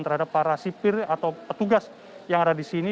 terhadap para sipir atau petugas yang ada di sini